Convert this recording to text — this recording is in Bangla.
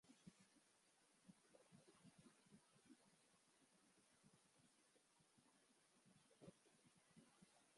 বিশ্বব্যাংকের মতে, পাকিস্তানের গুরুত্বপূর্ণ কৌশলগত সম্পদ ও উন্নয়নের সম্ভাবনা রয়েছে।